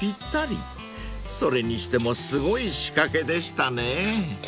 ［それにしてもすごい仕掛けでしたね］